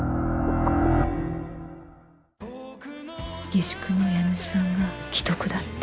下宿の家主さんが危篤だって。